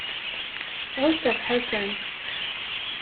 Ɛusseɣ Ḥasan.